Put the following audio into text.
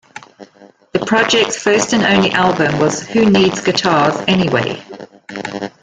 The project's first and only album was Who Needs Guitars Anyway?